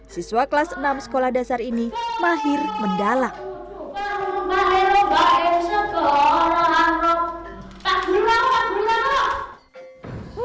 siswa kelas enam sekolah dasar ini mahir mendalam